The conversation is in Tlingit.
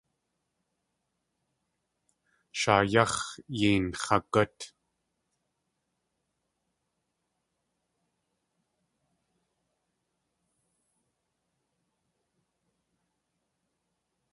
Shaa yáx̲ yei nx̲agút.